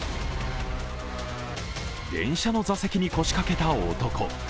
電車の座席に腰掛けた男。